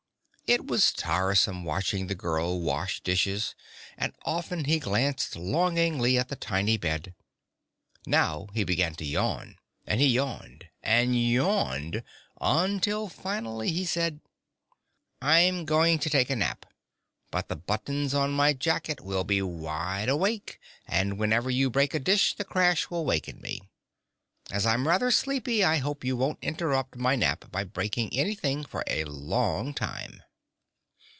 It was tiresome watching the girl wash dishes and often he glanced longingly at the tiny bed. Now he began to yawn, and he yawned and yawned until finally he said: "I'm going to take a nap. But the buttons on my jacket will be wide awake and whenever you break a dish the crash will waken me. As I'm rather sleepy I hope you won't interrupt my nap by breaking anything for a long time."